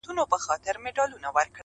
ژوند د معنا او مسؤولیت نوم هم دی.